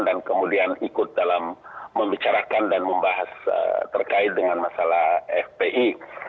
dan kemudian ikut dalam membicarakan dan membahas terkait dengan masalah fpi